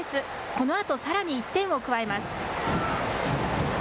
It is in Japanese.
このあとさらに１点を加えます。